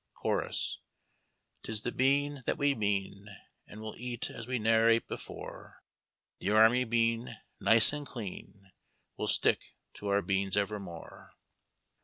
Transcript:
Chokus. — 'Tis the bean that we mean. And we'll eat as we ne'er ate before ; The Army Bean, nice and clean, We'll stick to our beans evermore.